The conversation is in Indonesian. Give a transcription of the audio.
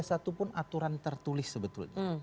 satupun aturan tertulis sebetulnya